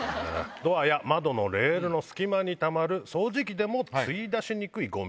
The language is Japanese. ドアや窓のレールの隙間にたまる掃除機でも吸い出しにくいゴミ。